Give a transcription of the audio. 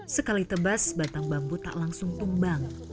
sekali tebas batang bambu tak langsung tumbang